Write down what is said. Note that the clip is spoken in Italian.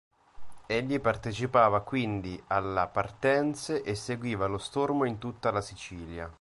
Egli partecipava quindi alla partenze e seguiva lo Stormo in tutta la Sicilia.